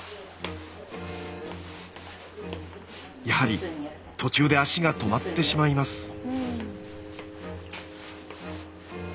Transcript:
やはり途中で足が止まってしまいます。